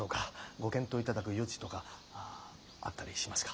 ご検討頂く余地とかあったりしますか？